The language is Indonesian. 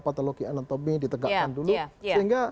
patologi anatomi ditegakkan dulu sehingga